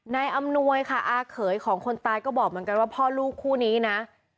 อำนวยค่ะอาเขยของคนตายก็บอกเหมือนกันว่าพ่อลูกคู่นี้นะ